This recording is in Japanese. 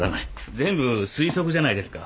全部推測じゃないですか。